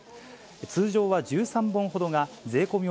通常は１３本ほどが税込み